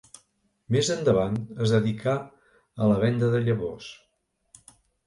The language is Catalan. Més endavant, es dedicà a la venda de llavors.